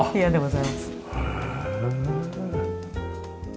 へえ。